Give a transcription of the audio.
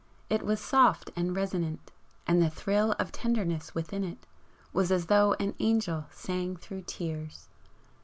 It was soft and resonant, and the thrill of tenderness within it was as though an angel sang through tears.